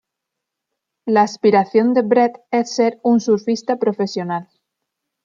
La aspiración de Brett es ser un surfista profesional.